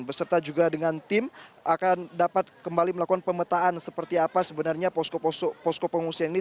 beserta juga dengan tim akan dapat kembali melakukan pemetaan seperti apa sebenarnya posko posko pengungsian ini